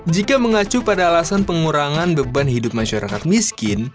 jika mengacu pada alasan pengurangan beban hidup masyarakat miskin